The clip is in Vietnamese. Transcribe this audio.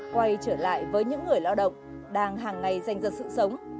quay trở lại với những người lao động đang hàng ngày dành giật sự sống